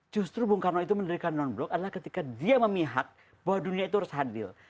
justru bung karno itu mendirikan non blok adalah ketika dia memihak bahwa dunia itu harus hadir